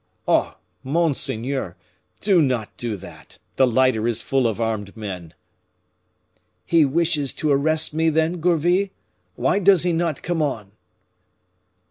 "Oh! monseigneur, do not do that, the lighter is full of armed men." "He wishes to arrest me, then, Gourville? Why does he not come on?"